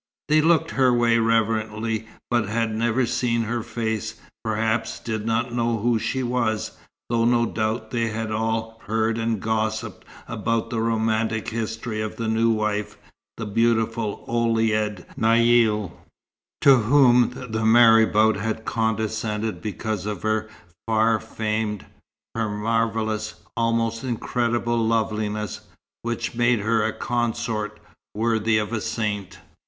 They looked her way reverently, but had never seen her face, perhaps did not know who she was, though no doubt they had all heard and gossipped about the romantic history of the new wife, the beautiful Ouled Naïl, to whom the marabout had condescended because of her far famed, her marvellous, almost incredible loveliness, which made her a consort worthy of a saint.